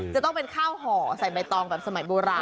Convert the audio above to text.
จะต้องเป็นข้าวห่อใส่ใบตองแบบสมัยโบราณ